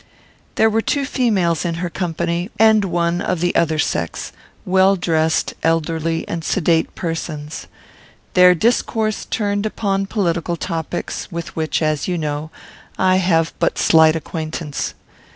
There were two females in her company, and one of the other sex, well dressed, elderly, and sedate persons. Their discourse turned upon political topics, with which, as you know, I have but slight acquaintance.